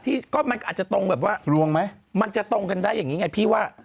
ที่ก็มันก็อาจจะตรงแบบว่าลวงไหมมันจะตรงกันได้อย่างนี้ไงพี่ว่า